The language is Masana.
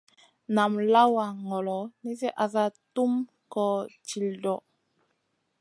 Nam lawa ŋolo nizi asa tum koh til ɗoʼ.